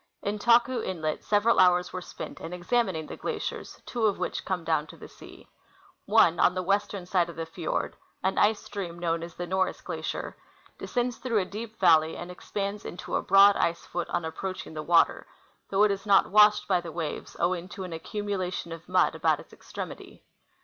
In Taku inlet several hours ^were spent in examining the glaciers, two of which come down to the sea. One on the western side of the fjord, an ice stream known as the Norris glacier, descends through a deep valley and expands into a broad ice foot on approaching the water, though it is not washed by the waves, owing to an accumulation of mud about its extremity.